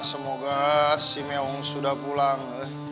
semoga si meong sudah pulang